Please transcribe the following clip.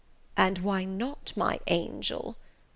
"And why not, my angel?"